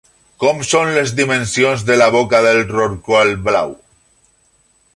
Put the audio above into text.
Com són les dimensions de la boca del rorqual blau?